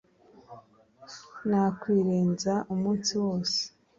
nakwirenza umunsi wose.